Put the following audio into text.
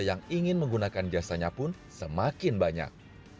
yang ingin menggunakan jasanya pun semakin banyak